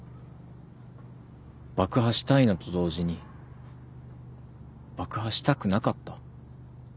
爆破したいのと同時に爆破したくなかった。